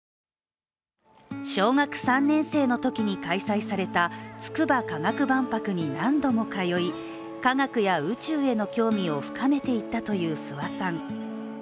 小学３年生のときに開催されたつくば科学万博に何度も通い、科学や宇宙への興味を深めていったという諏訪さん。